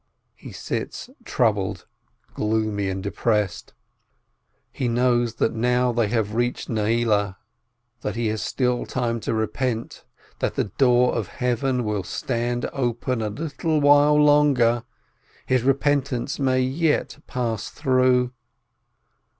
He sits troubled, gloomy, and depressed. He knows that they have now reached Nei'leh, that he has still time to repent, that the door of Heaven will stand open a little while longer, his repentance may yet pass through